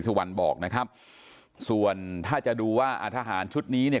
สุวรรณบอกนะครับส่วนถ้าจะดูว่าอ่าทหารชุดนี้เนี่ย